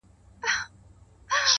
پوه انسان هره ورځ بدلېږي’